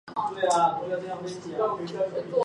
丽色军舰鸟是一种军舰鸟。